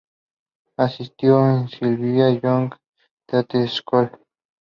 Asistió al Sylvia Young Theatre School.